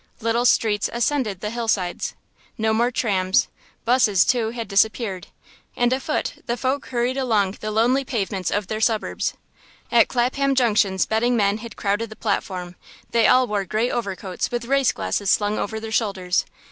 Little streets ascended the hillsides; no more trams, 'buses, too, had disappeared, and afoot the folk hurried along the lonely pavements of their suburbs. At Clapham Junction betting men had crowded the platform; they all wore grey overcoats with race glasses slung over their shoulders.